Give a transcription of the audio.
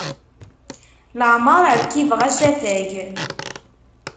Laɛmeṛ rkibeɣ asafag.